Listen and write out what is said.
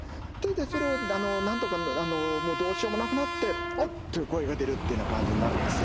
それをなんとかどうしようもなくなって「あっ」という声が出るっていうような感じになるんですよ。